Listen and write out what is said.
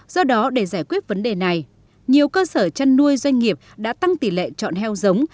do đó để giải quyết vấn đề này nhiều cơ sở chăn nuôi doanh nghiệp đã tăng tỷ lệ chọn heo giống